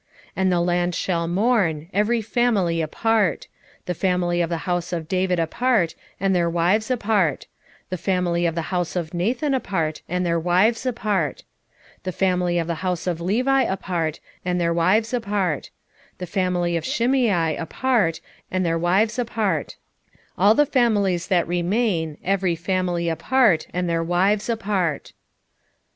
12:12 And the land shall mourn, every family apart; the family of the house of David apart, and their wives apart; the family of the house of Nathan apart, and their wives apart; 12:13 The family of the house of Levi apart, and their wives apart; the family of Shimei apart, and their wives apart; 12:14 All the families that remain, every family apart, and their wives apart.